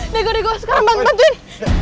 dego dego sekarang bantuin